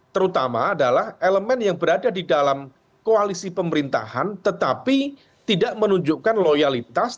terutama adalah elemen yang berada di dalam koalisi pemerintahan tetapi tidak menunjukkan loyalitas